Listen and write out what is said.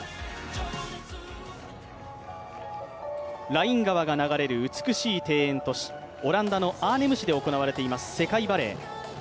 ライン川が流れる美しい庭園都市、オランダのアーネム市で行われている世界バレー。